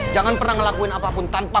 jangan pernah ngelakuin apapun tanpa